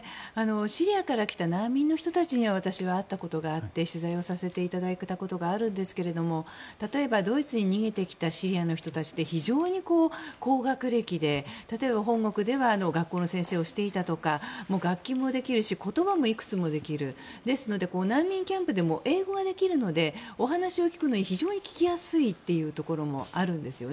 シリアから来た難民の人たちには私は会ったことがあって取材をさせていただいたことがあるんですけど例えば、ドイツに逃げてきたシリアの人たちって非常に高学歴で例えば本国では学校の先生をしていたとか楽器もできるし言葉もいくつもできるので難民キャンプでも英語ができるのでお話を聞くのにも非常に聞きやすいところもあるんです。